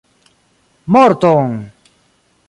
Morton!